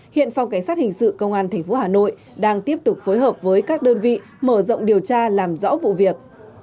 hiện phòng cảnh sát hình sự công an tp hà nội đang tiếp tục phối hợp với các đơn vị mở rộng điều tra làm rõ vụ việc